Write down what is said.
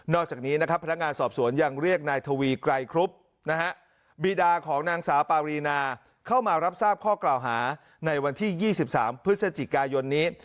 อกจากนี้นะครับพนักงานสอบสวนยังเรียกนายทวีไกรครุบบีดาของนางสาวปารีนาเข้ามารับทราบข้อกล่าวหาในวันที่๒๓พฤศจิกายนนี้